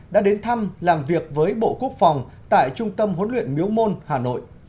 đã đến thăm làm việc với bộ quốc phòng tại trung tâm huấn luyện miếu môn hà nội